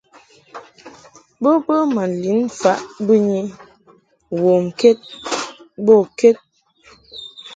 Bo bə ma lin faʼ bɨnyi womked bo ked.